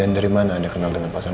an dari mana anda kenalkan papa musik